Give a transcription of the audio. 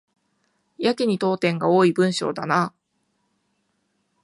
やけに読点が多い文章だな